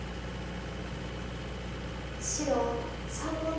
白３の二。